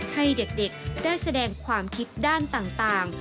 ให้เด็กได้แสดงความคิดด้านต่าง